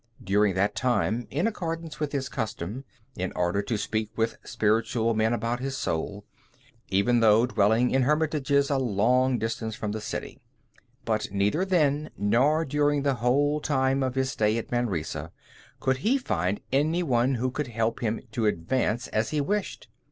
During that time, in accordance with his custom, in order to speak with spiritual men about his soul, he sought them out even though dwelling in hermitages at a long distance from the city. But neither then, nor during the whole time of his stay at Manresa, could he find any one who could help him to advance as he wished.